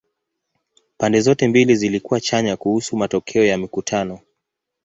Pande zote mbili zilikuwa chanya kuhusu matokeo ya mikutano.